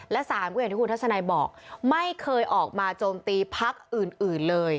และ๓ก็อย่างที่คุณทัศนัยบอกไม่เคยออกมาโจมตีพักอื่นเลย